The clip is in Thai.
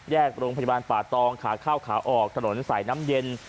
โรงพยาบาลป่าตองขาเข้าขาออกถนนสายน้ำเย็น